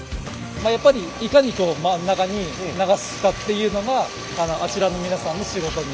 やっぱりいかに真ん中に流すかっていうのがあちらの皆さんの仕事に。